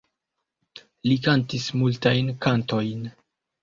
Li kantis multajn kantojn.